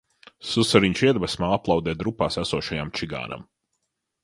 Susuriņš iedvesmā aplaudē drupās esošajam čigānam.